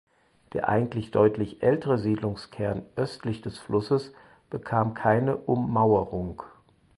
Der eigentlich deutlich ältere Siedlungskern östlich des Flusses bekam keine Ummauerung.